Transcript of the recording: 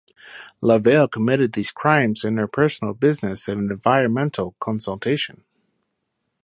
Lavelle committed these crimes in her personal business of environmental consultation.